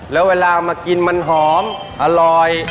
แล้วเวลามากินมันหอมอร่อย